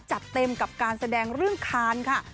จัดเต็มกับการแสดงเรื่องคานค่ะ